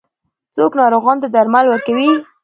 څوک ناروغانو ته درمل ورکوي؟